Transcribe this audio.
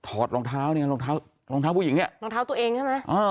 อดรองเท้าเนี่ยรองเท้ารองเท้าผู้หญิงเนี่ยรองเท้าตัวเองใช่ไหม